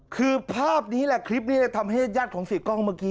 คือภาพนี้แหละคลิปนี้ทำให้ญาติของเสียกล้องเมื่อกี้